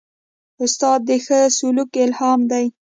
استاد د ښه سلوک الهام دی.